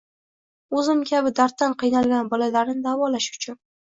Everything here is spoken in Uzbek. O‘zim kabi darddan qiynalgan bolalarni davolash uchun”